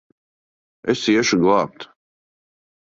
Es iešu glābt!